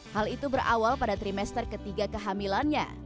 hal itu berawal pada trimester ketiga kehamilannya